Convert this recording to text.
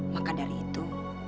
maka dari itu